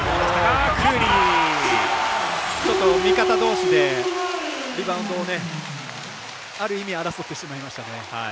味方どうしでリバウンドをある意味争ってしまいましたね。